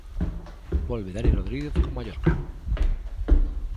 Volve Dani Rodríguez co Mallorca.